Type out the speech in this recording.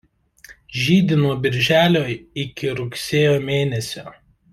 Žydi nuo birželio iki rugsėjo mėnesio.